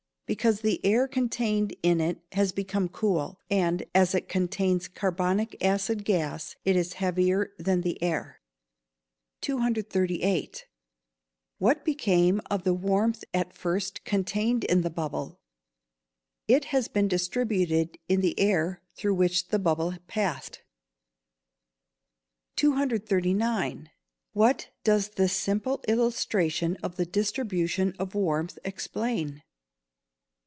_ Because the air contained in it has become cool, and, as it contains carbonic acid gas, it is heavier than the air. 238. What became of the warmth at first contained in the bubble? It has been distributed in the air through which the bubble passed. 239. _What does this simple illustration of the distribution of warmth explain?